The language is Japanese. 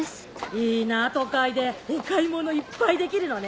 いいなぁ都会でお買い物いっぱいできるのね。